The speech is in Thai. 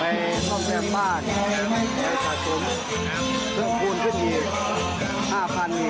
ให้กำลังใจอมน้ำความเผ็ดนะครับเพื่อเพิ่มเติมช่วยเนื้อตัวเองไป